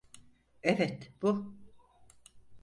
Evet bu.